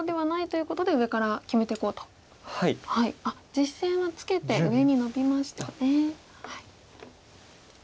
実戦はツケて上にノビましたね。